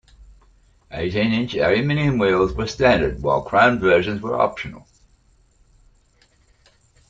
Eighteen-inch aluminum wheels were standard, while chromed versions were optional.